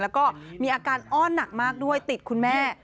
แล้วก็มีอาการอ้อนหนักมากด้วยติดคุณแม่